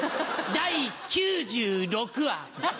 第９６話。